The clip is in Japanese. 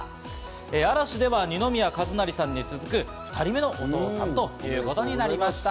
嵐では二宮和也さんに続く、２人目のお父さんということになりました。